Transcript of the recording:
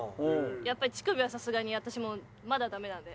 やっぱり乳首はさすがに私もまだダメなんで。